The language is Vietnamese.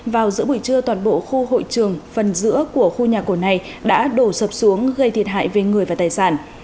vào giữa buổi trưa toàn bộ khu hội trường phần giữa của khu nhà cổ này đã đổ sập xuống gây thiệt hại về người và tài sản